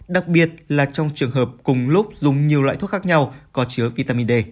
đặc biệt là trong trường hợp cùng lúc dùng nhiều loại thuốc khác nhau có chứa vitamin d